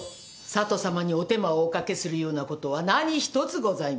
佐都さまにお手間をお掛けするようなことは何一つございません。